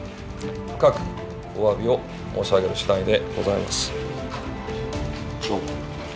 深くおわびを申し上げるしだいでございます。